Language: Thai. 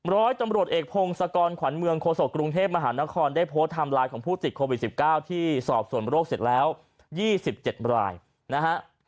ร้อยตำรวจเอกพงศกรขวัญเมืองโฆษกรุงเทพมหานครได้โพสต์ไทม์ไลน์ของผู้ติดโควิด๑๙ที่สอบส่วนโรคเสร็จแล้ว๒๗รายนะฮะ